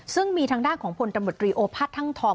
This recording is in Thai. ซึ่งมีทางด้านของพลตำรวจรีโอภาษท่างทอง